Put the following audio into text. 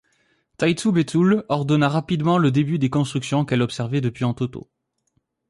Taytu Betul ordonna rapidement le début des constructions qu'elle observait depuis Entoto.